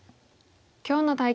今日の対局